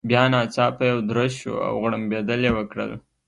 بیا ناڅاپه یو درز شو، او غړمبېدل يې وکړل.